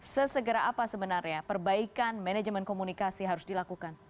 sesegera apa sebenarnya perbaikan manajemen komunikasi harus dilakukan